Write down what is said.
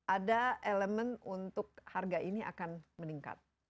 ada elemen untuk harga ini akan meningkat